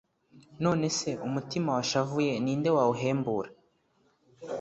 none se umutima washavuye ni nde wawuhembura